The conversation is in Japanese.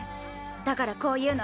だからこう言うの。